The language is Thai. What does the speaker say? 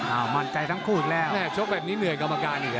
มั่นใจทั้งคู่อีกแล้วแม่ชกแบบนี้เหนื่อยกรรมการอีกแล้ว